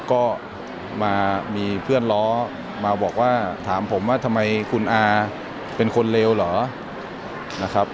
ก็มามีเพื่อนล้อมาบอกว่าถามผมว่าทำไมคุณอาเป็นคนเลวเหรอนะครับ